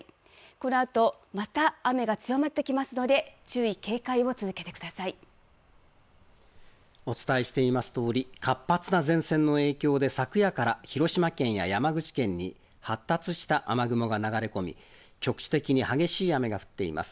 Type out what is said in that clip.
このあと、また雨が強まってきますので、注意、警戒を続けてくだお伝えしていますとおり、活発な前線の影響で昨夜から広島県や山口県に発達した雨雲が流れ込み、局地的に激しい雨が降っています。